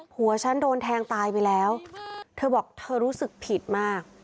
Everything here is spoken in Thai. หัวฉันโดนแทงตายไปแล้วเธอบอกเธอรู้สึกผิดมาก